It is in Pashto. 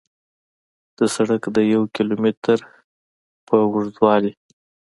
د سړک د یو کیلو متر په اوږدوالي